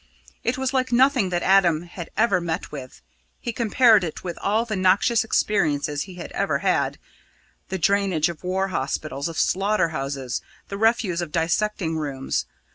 It was like nothing that Adam had ever met with. He compared it with all the noxious experiences he had ever had the drainage of war hospitals, of slaughter houses, the refuse of dissecting rooms.